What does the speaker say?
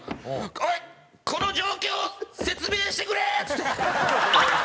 「おいこの状況を説明してくれ！」っつって。